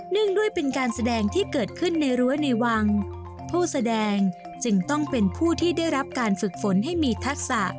ด้วยเป็นการแสดงที่เกิดขึ้นในรั้วในวังผู้แสดงจึงต้องเป็นผู้ที่ได้รับการฝึกฝนให้มีทักษะ